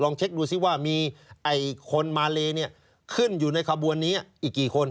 ลองเช็กดูซิว่ามีไอคนมาเลเนี่ยขึ้นอยู่ในขบวนนี้อีกกี่คน